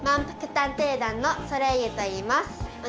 探偵団のソレイユといいます。